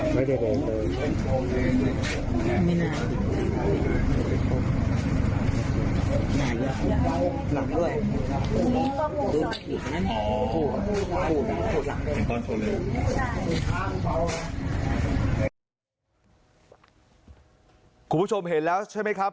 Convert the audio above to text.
หลังด้วยอยู่ข้างนั้นอ๋อคุณผู้ชมเห็นแล้วใช่ไหมครับ